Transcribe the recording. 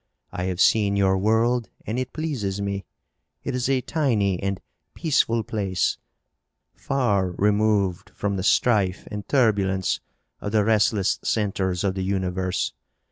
I have seen your world and it pleases me. It is a tiny and peaceful place, far removed from the strife and turbulence of the restless centers of the universe.